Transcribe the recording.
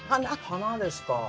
花ですか。